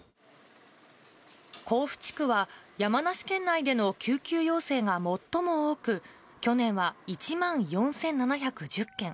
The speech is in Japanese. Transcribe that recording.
甲府地区は、山梨県内での救急要請が最も多く、去年は１万４７１０件。